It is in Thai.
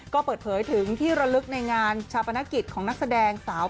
ก็เปิดเผยถึงที่ระลึกในงานชาปนกิจของนักแสดงสาว